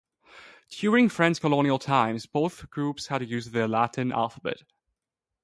During French colonial times, both groups had to use the Latin alphabet.